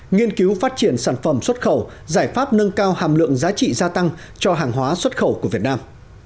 nghiên cứu phát triển sản phẩm xuất khẩu giải pháp nâng cao hàm lượng giá trị gia tăng cho hàng hóa xuất khẩu của việt nam